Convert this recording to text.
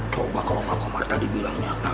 coba kalau pak komar tadi bilang nyata